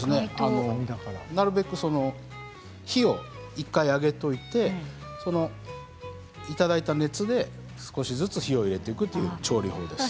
なるべく火を１回あげておいていただいた熱で少しずつ火を入れていくという調理法です。